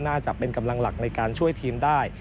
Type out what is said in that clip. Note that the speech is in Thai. น่าจะเป็นกำลังหลักในการช่วยทีมได้